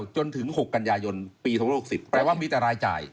จนถึง๖กันยายนปี๒๖๐แต่ว่ามีแต่รายจ่าย